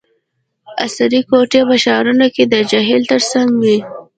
عصري کوټي په ښارونو کې د جهیل ترڅنګ وي